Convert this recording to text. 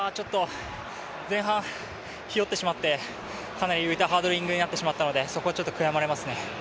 前半、ひよってしまってかなり浮いたハードリングになってしまったのでそこはちょっと悔やまれますね。